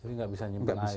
jadi tidak bisa nyimbang air